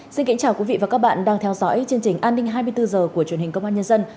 xin kính chào quý vị và các bạn đang theo dõi chương trình an ninh hai mươi bốn h của truyền hình công an nhân dân